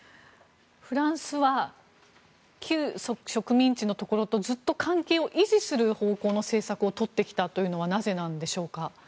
フランスは旧植民地のところとずっと関係を維持する方向の政策を取ってきたというのはなぜなんでしょうか。